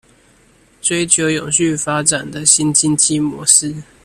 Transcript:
追求永續發展的新經濟模式